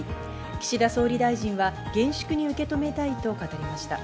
岸田総理大臣は厳粛に受け止めたいと語りました。